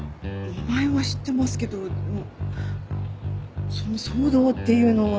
名前は知ってますけどその騒動っていうのは。